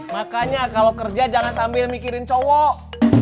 makanya kalau kerja jangan sambil mikirin cowok